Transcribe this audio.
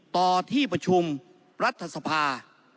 ต่อที่ประชุมรัฐสภา